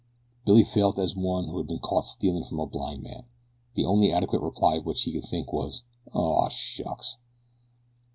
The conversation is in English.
Billy felt as one who has been caught stealing from a blind man. The only adequate reply of which he could think was, "Aw, shucks!"